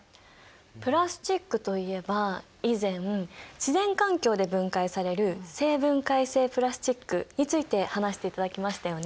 プラスチックといえば以前自然環境で分解される生分解性プラスチックについて話していただきましたよね。